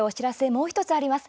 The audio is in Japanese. もう１つあります。